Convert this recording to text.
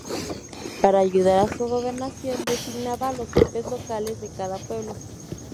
Para ayudar a su gobernación designaba a los jefes locales de cada pueblo.